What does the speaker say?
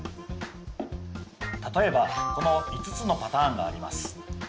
例えばこの５つのパターンがあります。